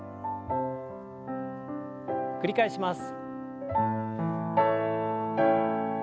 繰り返します。